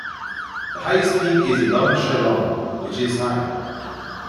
The highest peak is Lum Shyllong which is high.